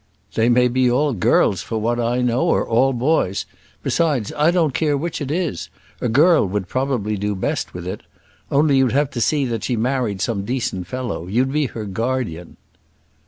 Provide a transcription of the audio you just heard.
"They may be all girls for what I know, or all boys; besides, I don't care which it is. A girl would probably do best with it. Only you'd have to see that she married some decent fellow; you'd be her guardian."